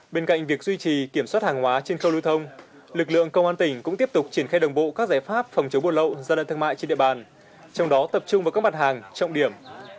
bên cạnh việc duy trì kiểm soát hàng hóa trên khâu lưu thông lực lượng công an tỉnh cũng tiếp tục triển khai đồng bộ các giải pháp phòng chống buôn lậu gian lận thương mại trên địa bàn trong đó tập trung vào các mặt hàng trọng điểm